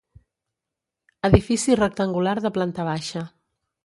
Edifici rectangular de planta baixa.